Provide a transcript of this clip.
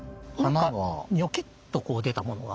ニョキッとこう出たものが。